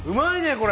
これ。